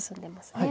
はい。